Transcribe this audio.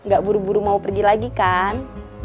gak buru buru mau pergi lagi kan